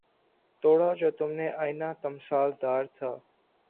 توڑا جو تو نے آئنہ تمثال دار تھا